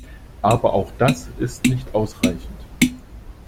Aber auch das ist nicht ausreichend.